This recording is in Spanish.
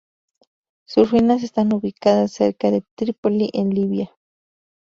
Sus ruinas están ubicadas cerca de Trípoli en Libia.